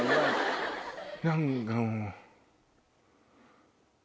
何かもう。